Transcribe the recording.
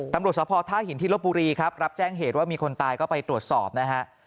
ตำรวจสภท่าหินที่ลบบุรีครับรับแจ้งเหตุว่ามีคนตายก็ไปตรวจสอบนะฮะ